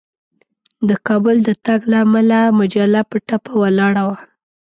د کابل د تګ له امله مجله په ټپه ولاړه وه.